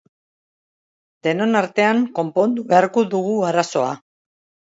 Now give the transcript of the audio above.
Denon artean konpondu beharko dugu arazoa.